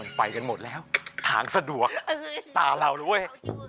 มันไปกันหมดแล้วทางสะดวกตาเรานะเว้ย